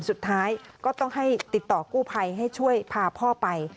สุดท้ายก็ต้องให้ติดต่อกู้ภัยให้ช่วยพาพ่อไป